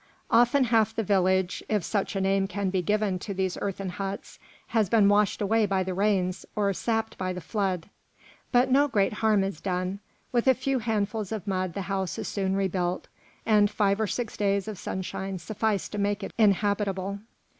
Often half the village if such a name can be given to these earthen huts has been washed away by the rains or sapped by the flood; but no great harm is done; with a few handfuls of mud the house is soon rebuilt, and five or six days of sunshine suffice to make it inhabitable.